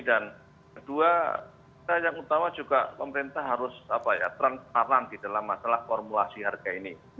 dan kedua yang utama juga pemerintah harus transparan di dalam masalah formulasi harga ini